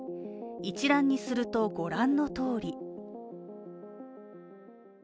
一覧にすると、ご覧のとおり。